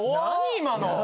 今の。